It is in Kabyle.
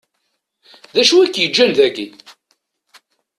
D acu i k-yeǧǧan dagi?